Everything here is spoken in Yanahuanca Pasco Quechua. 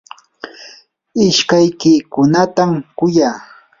ishkaykiykunatam kuyaa.